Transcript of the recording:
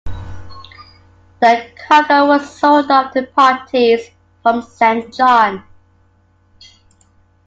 The cargo was sold off to parties from Saint John.